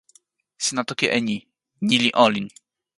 sina toki e ni: ni li olin!